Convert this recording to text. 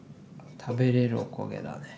食べれるお焦げだね。